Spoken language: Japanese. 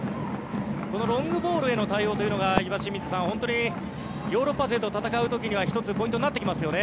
このロングボールへの対応が岩清水さん、本当にヨーロッパ勢と戦う時には１つポイントになってきますよね